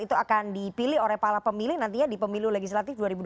itu akan dipilih oleh para pemilih nantinya di pemilu legislatif dua ribu dua puluh